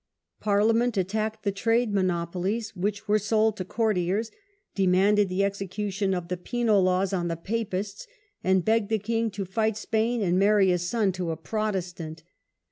Parliament attacked the trade mono polies, which were sold to courtiers, demanded the execu tion of the Penal laws on the Papists, and begged the king to fight Spain and marry his son to a Protestant.